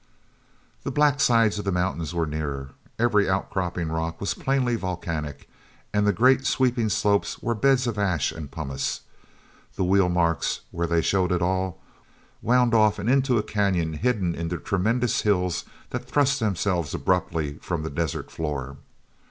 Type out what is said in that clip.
The black sides of the mountains were nearer: every outcropping rock was plainly volcanic, and great sweeping slopes were beds of ash and pumice; the wheel marks, where they showed at all, wound off and into a canyon hidden in the tremendous hills that thrust themselves abruptly from the desert floor.